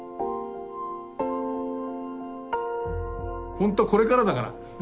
ほんとはこれからだから。